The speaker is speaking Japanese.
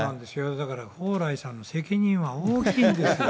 だから、蓬莱さんの責任は大きいんですよ。